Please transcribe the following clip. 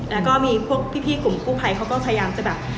แล้วก็มีพวกพี่กลุ่มกู้ภัยเขาก็พยายามจะแบบ